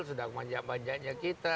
sedang manjak manjaknya kita